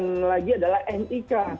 yang lagi adalah nik